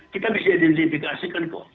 kita bisa identifikasikan kok